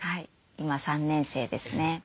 今３年生ですね。